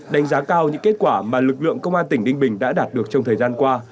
đánh giá cao những kết quả mà lực lượng công an tỉnh ninh bình đã đạt được trong thời gian qua